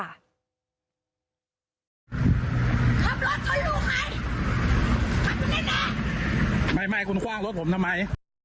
ขับรถข้อลูกไข่ขับรถหน้ามาไม่ไม่คุณคว้างรถผมทำไม